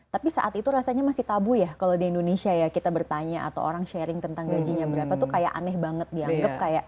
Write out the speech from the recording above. tapi saat itu rasanya masih tabu ya kalau di indonesia ya kita bertanya atau orang sharing tentang gajinya berapa tuh kayak aneh banget dianggap kayak